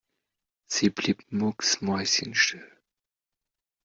Sie blieb mucksmäuschenstill.